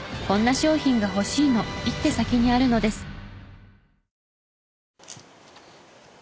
こんな商品が欲しいの一手先にあるのです。